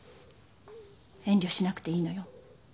遠慮しなくていいのよ。